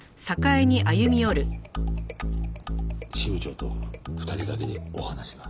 支部長と２人だけでお話が。